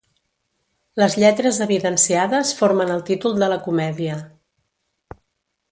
Les lletres evidenciades formen el títol de la comèdia.